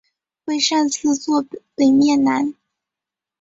会善寺坐北面南。